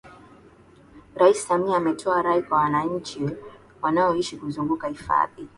Rais Samia ametoa rai kwa wanachi wanaoishi kuzunguka hifadhi